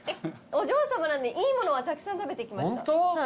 お嬢さまなんでいいものはたくさん食べてきました。